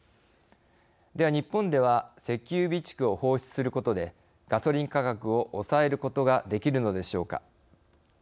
では、日本では石油備蓄を放出することでガソリン価格を抑えることができるのでしょうか。